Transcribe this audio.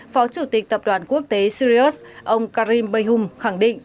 phó chủ tịch tập đoàn quốc tế sirius ông karim bayhum khẳng định